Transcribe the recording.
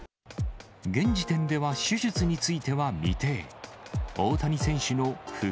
現時点では手術については未定。